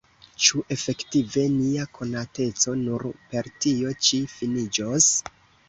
Ĉu efektive nia konateco nur per tio ĉi finiĝos?